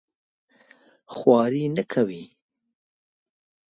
خواري نه کوي.